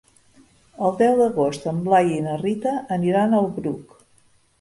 El deu d'agost en Blai i na Rita aniran al Bruc.